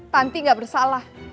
tanti gak bersalah